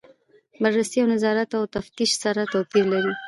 بررسي او نظارت او تفتیش سره توپیر لري.